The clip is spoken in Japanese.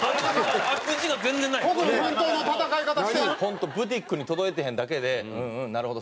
本当ブティックに届いてへんだけで「うんうんなるほど！